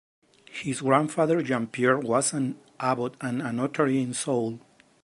His grandfather Jean-Pierre was an abbot and a notary in Soule.